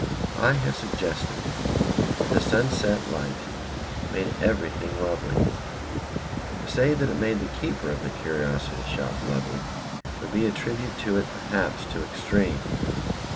I have suggested that the sunset light made everything lovely. To say that it made the keeper of the curiosity shop lovely would be a tribute to it perhaps too extreme.